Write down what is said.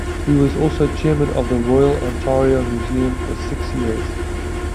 He was also chairman of the Royal Ontario Museum for six years.